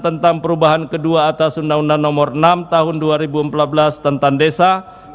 tentang perubahan kedua atas undang undang nomor enam tahun dua ribu empat belas tentang desa